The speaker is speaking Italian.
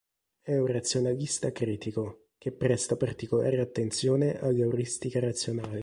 È un razionalista critico, che presta particolare attenzione all'euristica razionale.